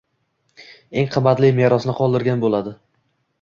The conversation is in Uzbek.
eng qimmatli merosni qoldirgan bo'ladi.